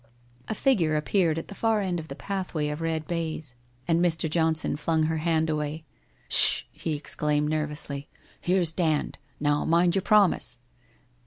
A figure appeared at the far end of the pathway of red baize, and Mr. Johnson flung her hand away. * Sh h !' he exclaimed nervously. ' Here's Dand. Now, mind your promise